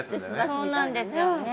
そうなんですよね。